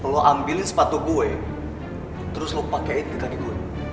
lo ambilin sepatu gue terus lo pakein di kaki gue